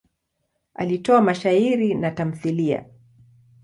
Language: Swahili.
Alitoa mashairi na tamthiliya.